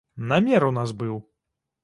Намер у нас быў!